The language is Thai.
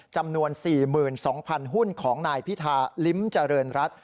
จำนวน๔๒๐๐๐หุ้นของนายพิทาริมจริญรัตน์